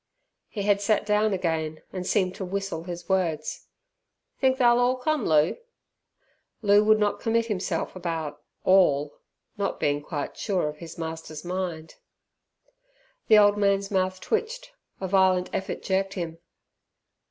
He had sat down again, and seemed to whistle his words. "Think they'll orl come, Loo?" Loo would not commit himself about "orl", not being quite sure of his master's mind. The old man's mouth twitched, a violent effort jerked him.